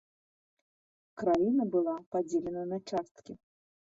Краіна была падзелена на часткі.